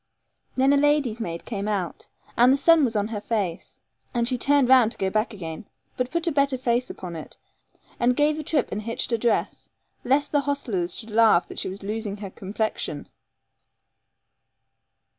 Then a lady's maid came out, and the sun was on her face, and she turned round to go back again; but put a better face upon it, and gave a trip and hitched her dress, and looked at the sun full body, lest the hostlers should laugh that she was losing her complexion.